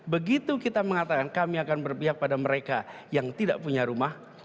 begitu kita mengatakan kami akan berpihak pada mereka yang tidak punya rumah